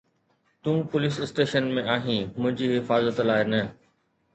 تون police station ۾ آهين، منهنجي حفاظت لاءِ نه.